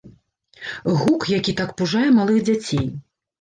Гук, які так пужае малых дзяцей.